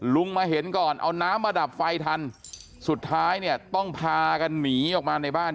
ลุงมาเห็นก่อนเอาน้ำมาดับไฟทันสุดท้ายเนี่ยต้องพากันหนีออกมาในบ้าน